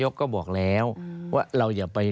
ก็บอกแล้วว่าเราอย่าไป